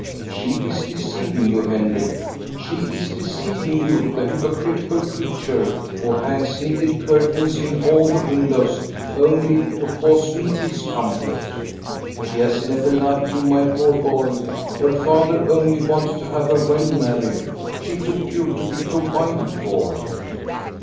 She is deceiving you. Henrik. She is deceiving you, the hypocritical creature, who hangs knitted curtains in all the windows only to cause me discomfort. She has never loved you, my poor boy. Her father only wanted to have her well married. She took you to be provided for."